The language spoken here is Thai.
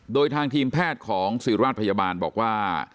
โดยทางทีมแพทย์ของศิราชพยาบาลบอกว่า